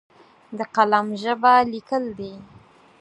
د قلم ژبه لیکل دي!